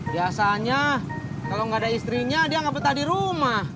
biasanya kalau gak ada istrinya dia gak pecah di rumah